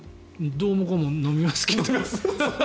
どうもこうも飲みますけど。